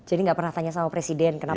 jadi nggak pernah tanya sama presiden kenapa